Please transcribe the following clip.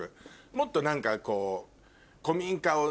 もっと何かこう。